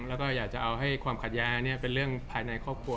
แล้วก็อยากจะเอาให้ความขัดแย้งเป็นเรื่องภายในครอบครัว